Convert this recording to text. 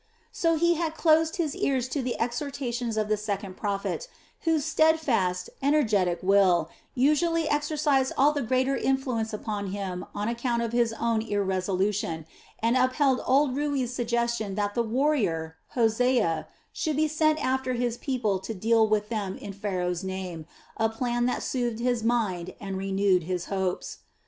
So he had closed his ears to the exhortations of the second prophet, whose steadfast, energetic will usually exercised all the greater influence upon him on account of his own irresolution, and upheld old Rui's suggestion that the warrior, Hosea, should be sent after his people to deal with them in Pharaoh's name a plan that soothed his mind and renewed his hopes.